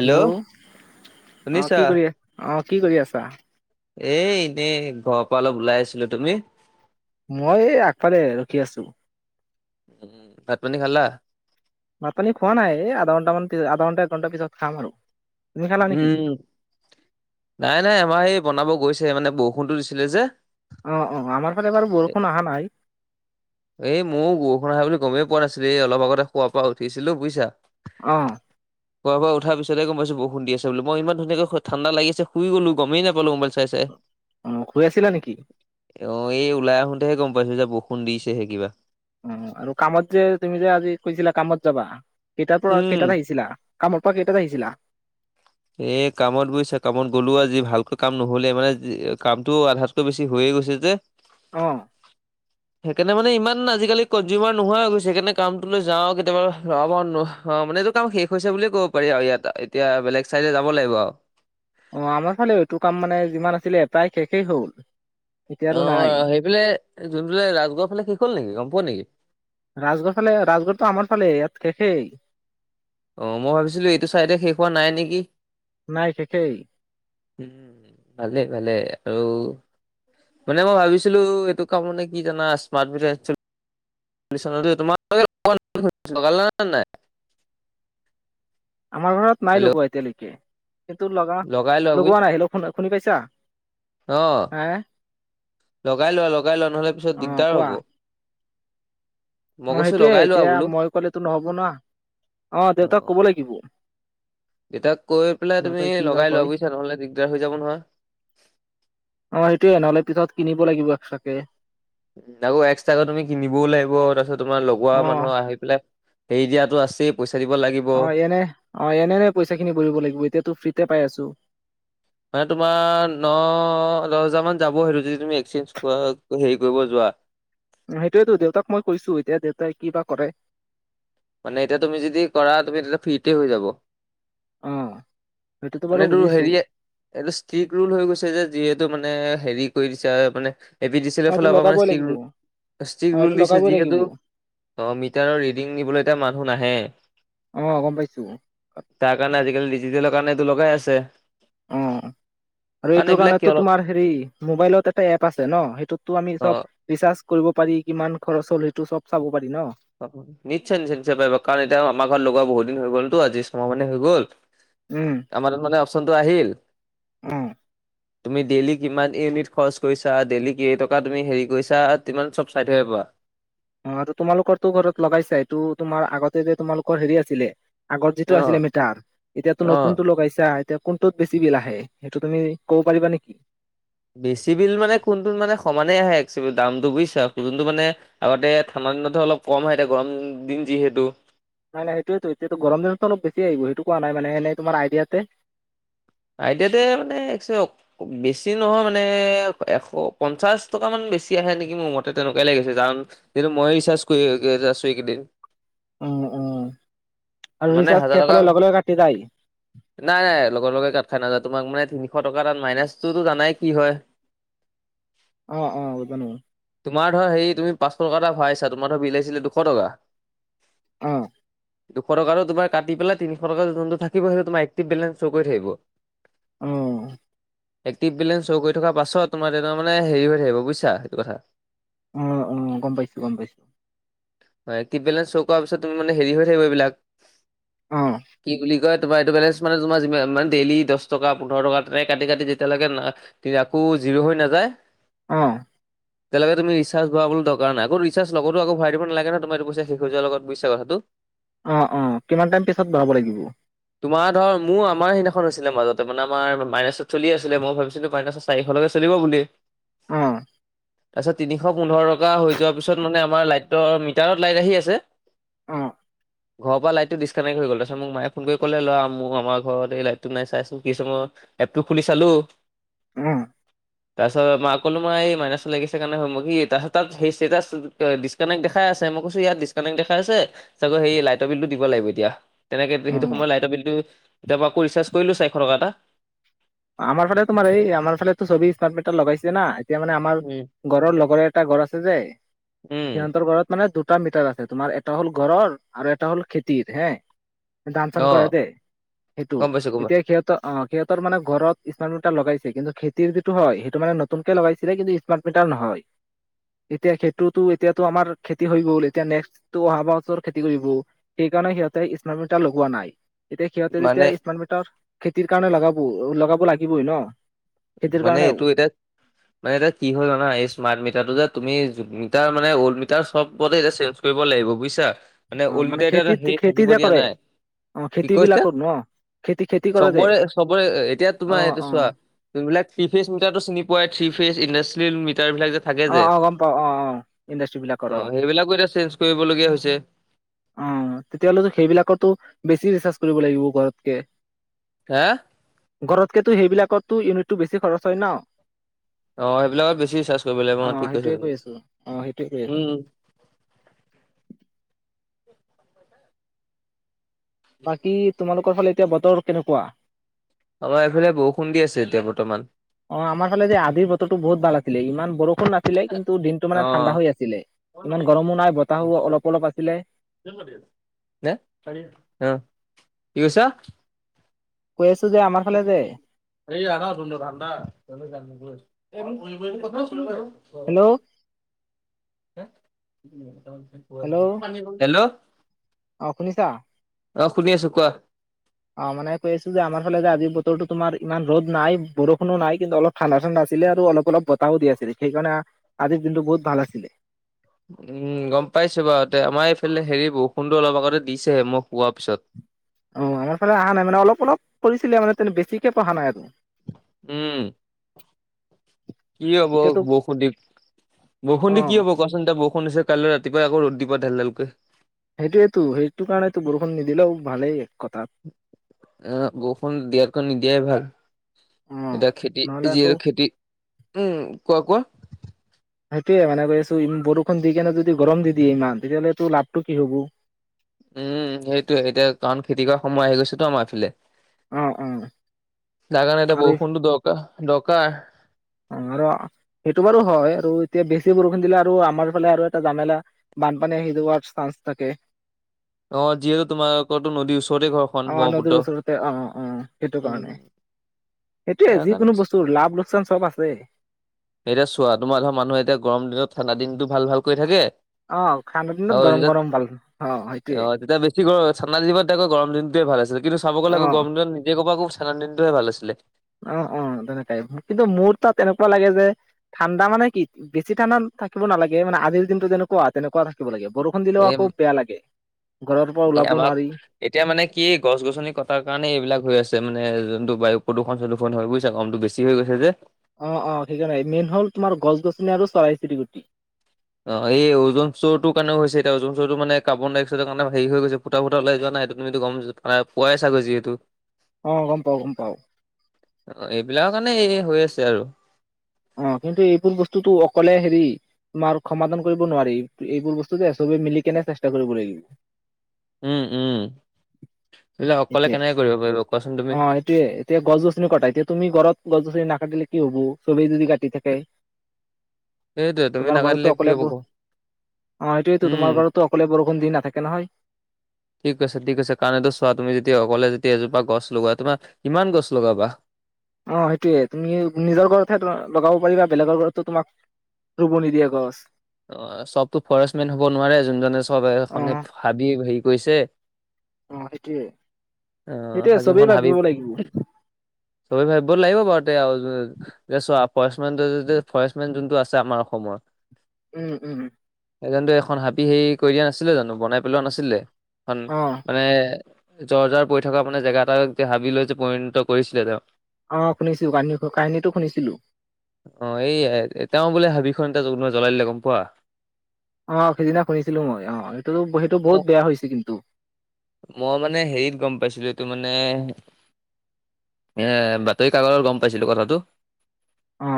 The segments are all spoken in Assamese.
হেল্ল' অ, শুনিছা কি কৰি, অ, কি কৰি আছা? এ এনেই ঘৰৰ পৰা অলপ ওলাই আহিছিলোঁ, তুমি? মই এই আগফালে ৰখি আছোঁ। উম, ভাত পানী খালা? ভাত পানী খোৱা নাই এ আধা ঘণ্টামান পি আধা ঘণ্টা এক ঘণ্টা পিছত খাম আৰু। তুমি খালা নেকি উম, নাই নাই আমাৰ এই বনাব গৈছে মানে বৰষুণটো দিছিলে যে। অ', অ, আমাৰ ফালে বাৰু এ- বৰষুণ আহা নাই। এই মইও বৰষুণ আহা বুলি গমেই পোৱা নাছিলোঁ এই অলপ আগতে শুৱাৰ পৰা উঠিছিলো বুজিছা। অ', শুৱাৰ পৰা উঠাৰ পিছতে গম পাইছো ব ষুণ দি আছে বুলি মই ইমান ধুনীয়া কে ঠাণ্ডা লাগিছে শুই গ'লো গমেই নাপালো ম'বাইল চাই চাই। অ', শুই আছিলা নেকি? অ', এই ওলাই আহোতেহে গম পাইছো যে বৰষুণ দিছেহে কিবা। উম, আৰু কামত যে তুমি যে আজি কৈছিলা কামত যাবা, কেইটাৰ পৰা উম কেইটাত আহিছিলা? কামৰ পৰা কেইটাত আহিছিলা? এ কামত বুজিছা কামত গ'লো আজি ভালকৈ কাম নহলে মানে কামটো আধাত টো বেছি হৈ গৈছে যে। অ', সেইকাৰণে মানে ইমান আজিকালি কনজিউমাৰ নোহোৱা হৈছে সেইকাৰণে কামটো লৈ যাওঁ কেতিয়াবা [unintelligible] অ', মানে এইটো কাম শেষ হৈছে বুলি য়ে ক'ব পাৰি, আৰু ইয়াত এতিয়া বেলেগ চাইডে যাব লাগিব আউ। অ', আমাৰ ফালে এইটোৰ কাম মানে যিমান আছিলে এটাই শেষেই হ'ল। এতিয়া আৰু নাই অ', সেইফালে, যোনফালে ৰাজগড়ৰ ফালে শেষ হ'ল নেকি, গম পোৱা নেকি? ৰাজগড় ফালে ৰাজগড়টো আমাৰ ফালে ইয়াত শেষেই। অ', মই ভাবিছিলো এইটো চাইডে শেষ হোৱা নাই নেকি? নাই শেষেই উম, ভালেই ভালেই আৰু মানে মই ভাবিছিলো এইটো কাম মানে কি জানা স্মাৰ্ট মিটাৰ [unintelligible] আমাৰ ঘৰত নাই হেল্ল' লগোৱা এতিয়ালৈকে, কিন্তু লগা, লগাই লোৱা বুইছ লগোৱা নাহিলে শু শুনি পাইছা? অ', হে লগাই লোৱা লগাই লোৱা নহ'লে পিছত অ দিগদাৰ কোৱা হ'ব। মই অ', কৈছো সেইটোৱে লগাই লোৱা এতিয়া বোলো মই কলেতো নহব না অ, দেউতাক কব লাগিব। দেতাক কৈ পেলাই তুমি দেউতাই কি বা লগাই লোৱা কয় বুইছা। নহ'লে দিগদাৰ হৈ যাব নহয়। অ সেইটোৱে, নহ'লে পিছত কিনিব লাগিব এক্সট্ৰাকে। আকৌ এক্সট্ৰাকৈ তুমি কিনিবও লাগিব। তাৰপিছত তোমাৰ লগোৱা অ মানুহ আহি পেলাই এৰি দিয়াটো আছেই। পইচা দিব লাগিব। অ এয়েনে অ এনে-এনে পইচা খিনি ভৰিব লাগিব, এতিয়াতো ফ্ৰীতে পাই আছো। মানে তোমাৰ ন, দছ হেজাৰমান যাব সেইটো যদি তুমি এক্সচেঞ্জ হেৰি কৰিব যোৱা। সেইটোৱেটো দেউতাক মই কৈছো। এতিয়া দেউতাই কি বা কৰে? মানে এতিয়া তুমি যদি কৰা তুমি তেতিয়া ফ্ৰীতে হৈ যাব। অ। সেইটোতো বাৰু মানে তোৰ বুজিছো হেৰিয়ে এইটো ষ্ট্ৰিক ৰোল হৈ গৈছে যে। যিহেতু মানে হেৰি কৰি দিছে মানে এ পি ডি চি অ এলৰ এইটো ফালৰ পৰা মানে লগাবই ষ্টিক লাগিব ৰোল, অ ষ্টিক এইটো ৰোল দিছে। লগাবই লাগিব যিহেতু অ মিটাৰৰ ৰিডিং নিবলৈ এতিয়া মানুহ নাহে। অ গম পাইছো। তাৰ কাৰণে আজি-কালি ডিজিটেলৰ কাৰণে এইটো লগাই আছে। অ। আৰু কাৰণ এইটো এইবিলাক কি কাৰণেটো অলপ তোমাৰ হেৰি মোবাইলত এটা এপ আছে ন? সেইটোতো আমি অ চব ৰিচাৰ্জ কৰিব পাৰি। কিমান খৰচ হ'ল এইটো চব চাব পাৰি ন? নিশ্চয়-নিশ্চয়-নিশ্চয় পাৰিব কাৰণ এতিয়া আমাৰ ঘৰত লগোৱা বহুত দিন হৈ গ'লতো, আজি ছমাহ মানে হৈ গ'ল। উম। আমাৰ তাত মানে অপচনটো আহিল। উম। তুমি ডেইলি কিমান ইউনিট খৰচ কৰিছা, ডেইলি কেই টকা তুমি হেৰি কৰিছা তিমান চব চাই থাকিব পাৰা। অ তোমালোকৰ তো ঘৰত লগাইছা। এইটো তোমাৰ আগতে যে তোমালোকৰ হেৰি আছিলে আগত যিটো অ আছিলে মিটাৰ, এতিয়াটো অ নতুনটো লগাইছা। এতিয়া কোনটোত বেছি বিল আহে? সেইটো তুমি ক'ব পাৰিবা নেকি? বেছি বিল মানে কোনটোত মানে সমানেই আহে একচোৱেল দামটো বুইছা। যোনটো মানে আগতে ঠাণ্ডা দিনত ধৰ অলপ কম হয়। এতিয়া গৰম দিন যিহেতু। নাই নাই হেইটোৱেটো। এতিয়াটো গৰম দিনতটো অলপ বেছি আহিব। সেইটো কোৱা নাই। মানে তোমাৰ আইডিয়াতে আইদিয়াতে মানে এক চওক বেছি নহয় মানে এশ পঞ্চাছ টকা মান বেছি আহে নেকি মোৰ মতে। তেনেকুৱাই লাগিছে জাৰণ যিহেতু মই ৰিচাৰ্জ কৰি আছো এইকেইদিন। অ অ আৰু মানে ৰিচাৰ্জ শেষ হাজাৰ হলে টকা লগে লগে কাটি যায় নাই লগৰ লগে কাট নাযায় তোমাক মানে তিনিশ টকা তাত মাইনাচটোতো জানাই কি হয়। অ, অ [unintelligible] তোমাৰ ধৰা হেৰি তুমি পাঁচশ টকা এটা ভৰাইছা, তোমাৰ ধৰ বিল আহিছিলে দুশ টকা। অ। দুশ টকাতো তোমাৰ কাটি পেলাই তিনিশ টকা যোনটো থাকিব সেইটো তোমাৰ একটিভ বেলেঞ্চ হৈ গৈ থাকিব। অ। এক্টিভ বেলেঞ্চ হৈ গৈ থকা পাছত তোমাৰ তেতিয়া মানে হেৰি হৈ থাকিব বুইছা সেইটো কথা। অ, অ গম পাইছো, গম পাইছো। হয় এক্টিভ বেলেঞ্চ ছ কৰা পিছত তুমি মানে হেৰি হৈ থাকিব এইবিলাক। অ। কি বুলি কয় তোমাৰ এইটো বেলেঞ্চ মানে তোমাৰ যিমান ডেইলী দছ দছ টকা, পোন্ধৰ টকা তেনেকে কাটি-কাটি যেতিয়ালৈকে আকৌ জিৰ' হৈ নাযায় অ। তেতিয়ালৈকে তুমি ৰিচাৰ্জ ভৰাবলৈ দৰকাৰ নাই। আকৌ ৰিচাৰ্জ লগতো আকৌ ভৰাই দিব নালাগে নহয় তুমি এইটো পইচা শেষ হৈ যোৱাৰ লগত। তুমি বুইছা কথাটো? অ-অ কিমান টাইম পিছত ভৰাব লাগিব? তোমাৰ ধৰ মোৰ আমাৰ সেইদিনাখন আছিলে মাজত তাৰমানে আমাৰ মাইনাছত চলি আছিলে মই ভাবিছিলো মাইনাছত চাৰিশলৈকে চলিব বুলি। অ অ অ তাৰপিছত তিনিশ পোন্ধৰ টকা হৈ যোৱাৰ পিছত মানে আমাৰ লাইটৰ মিটাৰত লাইট আহি আছে অ', ঘৰৰ পৰা লাইটটো ডিচকানেক্ট হৈ গ'ল তাৰপিছত মোক মায়ে ফোন কৰি ক'লে ল'ৰা মোৰ আমাৰ ঘৰত এই লাইটটো নাই চাইচোন কি হৈছে মোৰ এপটো খুলি চালো অ', তাৰ ওচৰত মাক ক'লো মই এই মাইনাছ ওলাই গৈছে কাৰণে মোক কি তাহঁতক সেই ষ্টেটাছ ডিচকানেক্ট দেখাই আছে মই কৈছোঁ ইয়াত ডিচ কানেক্ট দেখাই আছে চাগৈ সেই লাইটৰ বিলটো দিব লাগিব এতিয়া। তেনেকে এ সেইটো অ', সময় লাইটৰ বিলটো তাৰপৰা আকৌ ৰিচাৰ্জ কৰিলো চাৰিশ টকা এটা। আমাৰ ফালে তোমাৰ এই আমাৰ ফালেতো চবেই স্মাৰ্ট মিটাৰ লগাইছে না এত এতিয়া মানে আমাৰ উম ঘৰৰ লগৰ এটা ঘৰ আছে যে উম, সিহঁতৰ ঘৰত মানে দুট দুটা মিটাৰ আছে তোমাৰ এটা হ'ল ঘৰৰ আৰু এটা হ'ল খেতিৰ হে ধান-চান অ কৰে দেই সেইটো গম পাইছো গম এতিয়া পাইছো সিহঁতৰ অ সিহঁতৰ মানে ঘৰত স্মাৰ্ট মিটাৰ লগাইছে কিন্তু খেতিৰ যিটো হয় সেইটো মানে নতুনকে লগাইছিলে কিন্তু স্মাৰ্ট মিটাৰ নহয়। এতিয়া সেইটোতো এতিয়াতো আমাৰ খেতি হৈ গ'ল এতিয়া নেক্সটটো অহা বছৰ খেতি কৰিব। সেইকাৰণে সিহঁতে স্মাৰ্ট মিটাৰ লগোৱা নাই। এতিয়া সিহঁতে মানে যেতিয়া স্মাৰ্ট মিটাৰ খেতিৰ কাৰণে লগাব লগাব লাগিবই ন। খেতিৰ মানে কাৰণেও এইটো এতিয়া মানে এতিয়া কি হল জানা এই স্মাৰ্ট মিটাৰটো যে তুমি যুগ মিটাৰ মানে অল্ড মিটাৰ চবতে জাষ্ট চেলচ কৰিব লাগিব বুজিছা মানে অ অল্ড মিটাৰ এতিয়া এটা খেতিত সেই খেতি থাকিব যে দিয়া কৰে নাই। অ কি খেতি কৈছে বিলাকত ন খেতি খেতি কৰে যে চবৰে চবৰে এতিয়া অ তোমাৰ এইটো অ চোৱা যোন বিলাক থ্ৰী ফেচ মিটাৰটো চিনি পোৱাই থ্ৰী ফেচ ইণ্ডাষ্ট্ৰীল মিটাৰ বিলাক যে থাকে অ যে অ গম পাও অ অ ইণ্ডাষ্ট্ৰ্ৰী বিলাকৰ অ সেইবিলাকো এতিয়া চেঞ্জ কৰিব লগীয়া হৈছে। অ অ অ তেতিয়া হ'লেতো সেইবিলাকৰটো বেছি ৰিচাৰ্জ কৰিব লাগিব ঘৰত কে। হেয়া ঘৰতকেতো সেইবিলাকৰতো ইউনিটটো বেছি খৰচ হয় ন। অ সেইবিলাকত বেছি ৰিচাৰ্জ কৰিব লাগিব অ ঠিক কৈছা সেইটোৱেই তুমি কৈ আছো অ সেইটোৱে কৈ আছো মই। উম বাকী তোমালোকৰ ফালে এতিয়া বতৰ কেনেকুৱা? আমাৰ এইফালে বৰুষুণ দি আছে এতিয়া বৰ্তমান। অ আমাৰ ফালে যে আজিৰ বতৰটো বহুত ভাল আছিলে ইমান বৰ বৰষুণ নাছিলেই কিন্তু দিনটো মানে অ ঠাণ্ডা হৈ আছিলে ইমান গৰমো নাই বতাহো অলপ অলপ আছিলে। [unintelligible] অ কি কৈছা? কৈ আছো যে আমাৰ ফালে যে [unintelligible] এইয়া আহা ৰোমটো ঠাণ্ডা তয় তো জানি বুজি লৈছো এই ফোন কৰিবৈ তো কথা দিছিলো বাৰু হেল্ল' হেল্ল' [unintelligible] হেল্ল' অ শুনিছা। অ শুনি আছো কোৱা। অ মানে কৈ আছো যে আমাৰ ফালে যে আজি বতৰতো তোমাৰ ইমান ৰ'দ নাই বৰষুণো নাই কিন্তু অলপ ঠাণ্ডা ঠাণ্ডা আছিলে আৰু অলপ অলপ বতাহও দি আছিলে সেইকাৰণে আজিৰ দিনটো বহুত ভাল আছিলে। উম উ উ গম পাইছো বাৰুতে আমাৰ এইফালে হেৰি বৰষুণটো অলপ আগতে দিছেহে মই শোৱাৰ পিছত। অ, আমাৰ ফালে আহা নাই মানে অলপ অলপ পৰিছিলে মানে তেনে বেছিকে পঢ়া নাই আৰু উম উ উ খু কি হব এতিয়াতো বৰষুণ দি অ বৰষুণ দি কি হ'ব? কোৱাচোন এতিয়া বৰষুণ হৈছে কাইলৈ ৰাতিপুৱাই আকৌ ৰ'দ দিব ধেল ধেল কৈ। সেইটোৱেতো সেইটো কাৰণেতো বৰষুণ নিদিলেও ভালেই এক কথাত। হুম টি টি টি এ এ এ বৰষুণ দিয়াতকৈ নিদিয়াই ভাল। অ', এতিয়া খেতি নহ'লে আকৌ যিহেতু খেতি উম কোৱা কোৱা সেইটোৱে মানে কৈ আছো বৰষুণ দি কেনে যদি গৰম দি দিয়ে ইমান, তেতিয়াহ'লেটো লাভটো কি হব। উম সেইটোয়ে এতিয়া কাৰণ খেতি কৰা সময় আহি গৈছেতো আমাৰ ইফালে? অ', অ', যাৰ কাৰণে এতিয়া আৰু বৰষুণটো দৰকাৰ দৰকাৰ। অ আৰু সেইটো বাৰু হয় আৰু এতিয়া বেছি বৰষুণ দিলে আৰু আমাৰ ফালে আৰু এটা জামেলা। বানপানী আহি যোৱাৰ চাঞ্চ থাকে। অ যিহেতু তোমালোকৰতো নদীৰ ওচৰতে ঘৰখন অ ব্ৰহ্মপুত্ৰ নদীৰ ওচৰতে অ অ সেইটো উম কাৰণে। সেইটোয়ে তাৰ কাৰণে যিকোনো বস্তুৰ লাভ -লোকচান চব আছে। এতিয়া চোৱা, তোমাৰ ধৰা মানুহ এতিয়া গৰম দিনত ঠাণ্ডা দিনটো ভাল ভাল কৈ থাকে অ ঠাণ্ডা আৰু দিনত গৰম গৰম ভাল অ সেইটোয়ে। কি কৰো ঠাণ্ডা দিনত তেতিয়া আকৌ গৰম দিনোটোৱে ভাল আছিল, কিন্তু চাব গ'লে আকৌ অ'। গৰম দিনত নিজে কব আকৌ ঠাণ্ডা দিনটোহে ভাল আছিলে। অ অ তেনেকাই, কিন্তু মোৰ তাত এনেকুৱা লাগে যে ঠাণ্ডা মানে কি, বেছি ঠাণ্ডা থাকিব নালাগে মানে আজিৰ দিনটো যেনেকুৱা তেনেকুৱা থাকিব লাগে। বৰষুণ দিলেও এই আকৌ বেয়া লাগে ঘৰৰ পৰা এই ওলাবও আমাক নোৱাৰি। এতিয়া মানে কি গছ - গছনি কটাৰ কাৰণে এইবিলাক হৈ আছে মানে যোনটো বায়ু প্ৰদূষণ প্ৰদূষণ হয় বুজিছা গৰমটো বেছি চি হৈ গৈছে যে? অ অ সেইকাৰণে মেইন হ'ল তোমাৰ গছ- গছনি আৰু চৰাই - চিৰিকতি। অ এই ওজন স্তৰটো কাৰণে হৈছে এতিয়া অজন স্তৰটো মান কাৰ্বন ডাইক্সাইডৰ কাৰণে হেৰি হৈ গৈছে। ফুটা ফুটা উলাই যোৱা নাই সেইটো তুমিতো গম পোৱাই চাগৈ যিহেতু? অ গম পাও গম পাও। অ এইবিলাকৰ কাৰণে এই হৈ আছে আৰু। অ কিন্তু এইবোৰ বস্তুটো অকলে হেৰি তোমাৰ সমাধান কৰিব নোৱাৰি, এইবোৰ বস্তু যে চবে মিলি কেনে চেষ্টা কৰিব লাগিব। উম উম, এইবিলাক অকলে কেনেকে কৰিব পাৰিব কোৱাচোন তুমি? টোৱে এতিয়া গছ - গছনি কটাই, এতিয়া তুমি ঘৰত গছ - গছনি নাকাটিলে কি হব, চবেই যদি কাটি থাকে। [inaudible] সেইটোয়ে তুমি তোমাৰ ঘৰতো নাজানিলে কি অকলে হ'ব ব ক অ এইটোৱেইতো উম তোমাৰ ঘৰতো অকলে বৰষুণ দি নাথাকে নহয়? ঠিক কৈছা ঠিক কৈছা, কাৰণ ইটো চোৱা তুমি যেতিয়া অকলে যতিয়া এজোপা গছ লগোৱা তোমাৰ কিমান গছ লগাবা? অ সেইটোয়ে, তুমি নিজৰ ঘৰতহে লগাব পাৰিবা বেলেগৰ ঘৰতো তোমাক ৰুব নিদিয়ে গছ। অ চবতো ফৰেষ্টমেন হ'ব নোৱাৰে, যোনজনে চব অ এখনে ভাবিয়ে হেৰি কৰিছে। অ সেইটোয়ে অ সেইটোয়ে চবেই হাজোনখন হাবি ভাবিব লাগিব চবে ভাবিব লাগিব বাওতে আও। যে চোৱা ফৰেষ্টমেনটোৱে যদি, ফৰেষ্টমেন যোনটো আছে আমাৰ অসমৰ উম উম। এজনেটো এখন হাবি হেৰি কৰি দিয়া নাছিলে জানো বনাই পেলোৱা নাছিলে? এখন অ মানে জৰ্জাৰ পৰি থকা মানে জেগা এটা যে হাবি লৈ যে পৰিণত কৰিছিলে তেওঁ। অ শুনিছো, কাহিনীটো কাহিনীটো শুনিছিলো। অ এই এতিয়াও বোলে হাবিখন এতিয়া জ্বলাই দিলে, গম পোৱা? অ সিদিনা শুনিছিলো মই, অ সেইটো সেইটো বহুত মোক বেয়া হৈছে কিন্তু। মই মানে হেৰিত গম পাইছিলো এইটো মানে এ বাতৰিকাকতত গম পাইছিলো কথাটো। অ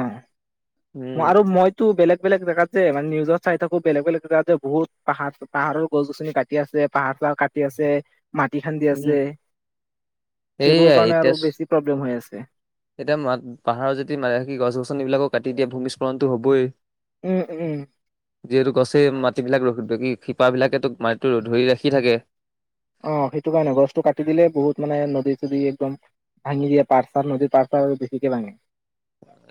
মই উম আৰু মজ তো বেলেগ বেলেগ জেগাত যে, মানে নিউজত চাই থাকো বেলেগ বেলেগ জেগাত যে বহুত পাহাৰ পাহাৰৰ গছ - গছনি কাটি কাটি আছে, পাহাৰ - চাহাৰ কাটি আছে। মাটি খান্দি উম আছে, সেইবোৰৰ এইয়াই কাৰণে আৰু এতিয়া বেছি প্ৰব্লেম হৈ আছে। এতিয়া মাত পাহাৰৰ যদি মা গছ - গছনিবিলাকো কাটি দিয়া ভূমিস্খলণতো হবই। উম উম। যিহেতু গছেই মাটিবিলাকৰ কি শিপাবিলাকেতো মাটিতো ধৰি ৰাখি থাকে। অ সেইটো কাৰণে গছটো কাটি দিলে বহুত মানে নদী - চদী একদম ভাঙি দিয়া, পাৰ্চাৰ নদীৰ পাৰ্চাৰ বেছিকে ভাঙে।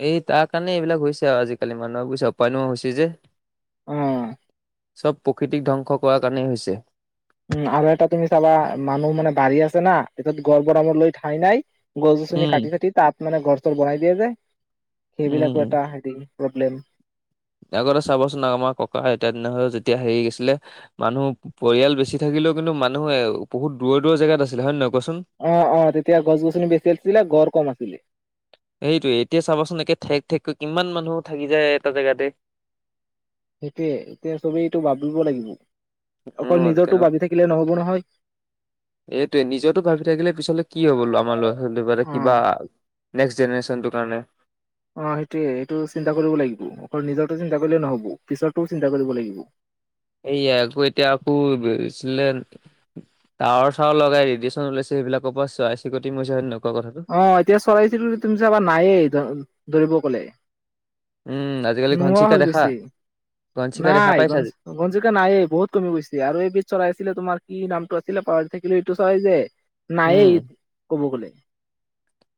এই তাৰ কাৰণে এইবিলাক হৈছে আৰু আজিকালি মানুহে বুইছা, উপাই নোহোৱা হৈছে যে। অ', চব প্ৰকৃতিক ধ্বংস কৰাৰ কাৰণেই হৈছে। উম, আৰু এটা তুমি চাবা, মানুহ মানে বাৰী আছে না এতিয়া ঘৰ বনাবলৈ ঠাই নাই। গছ গছনি উম, কাটি কাটি তাত মানে ঘৰ চৰ বনাই দিয়ে যে, সেইবিলাকো উম, এটা [unintelligible] প্ৰব্লেম। আগতে চাবাচোন আমাৰ ককা আইতা দিনাহত যেতিয়া হেৰি আছিলে মানুহ, পৰিয়াল বেছি থাকিলেও কিন্তু মানুহে বহুত দূৰৰ দূৰৰ জেগাত আছিল হয়নে নহয় কোৱাচোন? অ', অ, তেতিয়া গছ গছনি বেছি আছিলে গৰ কম আছিলে। সেইটোৱেই এতিয়া চাবাচোন একে ঠেক ঠেককে কিমান মানুহে থাকি যায় এটা জেগাতে। সেইটোৱে এতিয়া চবেইটো ভাবিব লাগিব, অকল অ' তেনে নিজৰটো ভাবি থাকিলে নহব নহয়। এইটোৱে নিজৰটো ভাবি থাকিলে পিছলে কি হ'ব আমাৰ ল'ৰা [unintelligible] অ কিবা, নেক্সট জেনাৰেশ্যনটোৰ কাৰণে। অ', সেইটোয়ে সেইটো চিন্তা কৰিব লাগিব, অকল নিজৰটো চিন্তা কৰিলে নহ'ব পিছৰতো চিন্তা কৰিব লাগিব। এইয়া আকৌ এতিয়া আকৌ, [unintelligible] টাৱৰ চাৱৰ লগাই ৰেডিয়শন উলাইছে সেইবিলাকৰ পৰাই চৰাই চিৰিকতি মৰিছে [unintelligible] কথাটো। অ', এতিয়া চৰাই চিৰিকতি তুমি চাবা নায়েই ধ-ধৰিব গলে। উম, আ নোহোৱা হৈ গৈছে, দেখা নাই [unintelligible] পাইছা ঘনচিৰিকা নাইয়ে বহুত কমি গৈছে আৰু এবিধ চৰাই আছিলে তোমাৰ কি, নামটো আছিলে পাহৰি থাকিলোঁ এইটো চৰাই যে নাইয়ে, উম ক'ব গ'লে।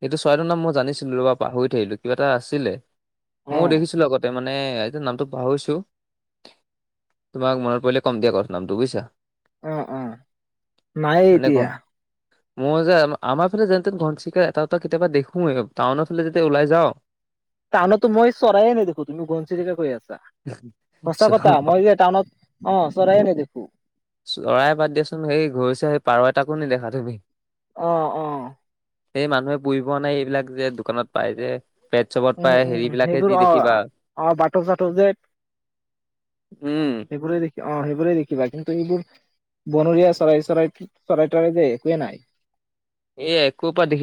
এইটো চৰাইটোৰ নাম মই জানিছিলো ৰ'বা পাহৰি থাকিলো, কিবা এটা আছিলে। অ মইয়ো দেখিছিলো আগতে মানে, এ এতিয়া নামটো পাহৰিছোঁ। তোমাক মনত পৰিলে কম দিয়া [unintelligible] নামটো বুজিছা, অ অ নায়েই মানে এতিয়া ঘৰ। মই যে, আমা আমাৰ ফালে যেনতেন ঘনচিৰিকা এটা [unintelligible] কেতিয়াবা দেখোৱেই টাউনৰ ফালে যেতিয়া ওলাই যাও। টাউনততো মই চৰাইয়ে নেদেখো, তুমি ঘনচিৰিকা কৈ আছা? সঁচা কথা চ মই যে টাউনত, অ, চৰাইয়ে নেদেখো। চৰাই বাদ দিয়াচোন সেই ঘৰচিৰি সেই পাৰ এটাও নেদেখা তুমি। অ', অ, সেই মানুহে পুহি পোৱা নাই এইবিলাক যে দোকানত পায় যে পেটচ'পত উম পায় হেৰি উম বিলাকে সেইবোৰ দি অ দেখিবা। অ', ভাটৌ চাটৌ যে। উম, সেইবোৰে দেখি অ, সেইবোৰেই দেখিবা, কিন্তু এইবোৰ বনৰীয়া চৰাই-চৰাই, চৰাই ত' যে একোৱে নাই। এ একো পৰা দেখি